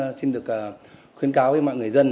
tôi xin được khuyến cáo với mọi người dân